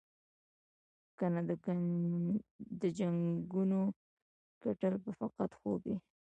کنه د جنګونو ګټل به فقط خوب وي.